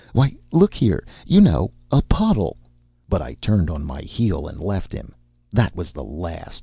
Why, look here. You know a puddle—" But I turned on my heel and left him. That was the last.